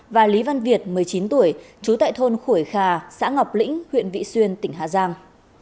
và lý văn việt một mươi chín tuổi trú tại thôn khuổi khà xã ngọc lĩnh huyện vị xuyên tỉnh hà giang